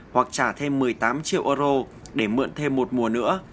hoặc trả thêm một mươi tám triệu euro để mượn thêm một mùa nữa